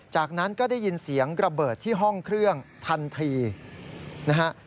จากนั้นก็ได้ยินเสียงระเบิดที่ห้องเครื่องทันทีนะฮะ